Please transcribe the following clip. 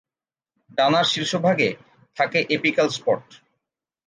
ডানার শীর্ষভাগে থাকে apical spot.